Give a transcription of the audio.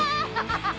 ハハハハ！